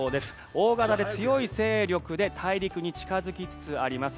大型で強い勢力で大陸に近付きつつあります。